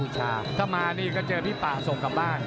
ถ้ามานี่ก็เจอพี่ป่าส่งกลับบ้าน